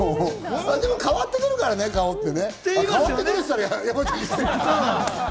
でも変わってくるからね、顔って。